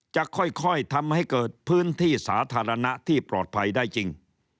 จะค่อยทำให้เกิดพื้นที่สาธารณะที่ปลอดภัยได้จริง